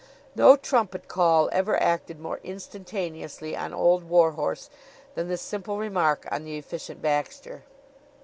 No trumpet call ever acted more instantaneously on old war horse than this simple remark on the Efficient Baxter.